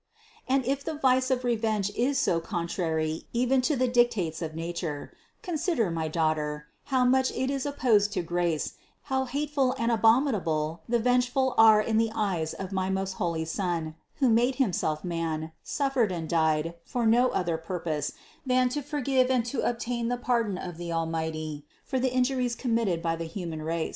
710. And if the vice of revenge is so contrary even to the dictates of nature, consider, my daughter, how much it is opposed to grace and how hateful and abomi nable the vengeful are in the eyes of my most holy Son, who made Himself man, suffered and died for no other purpose than to forgive and to obtain the pardon of the Almighty for the injuries committed by the human race.